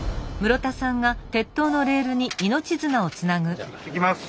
じゃ行ってきます。